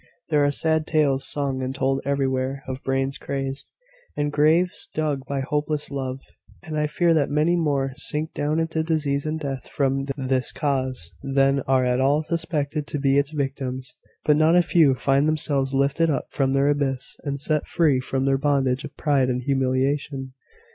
There are sad tales sung and told everywhere of brains crazed, and graves dug by hopeless love: and I fear that many more sink down into disease and death from this cause, than are at all suspected to be its victims: but not a few find themselves lifted up from their abyss, and set free from their bondage of pride and humiliation.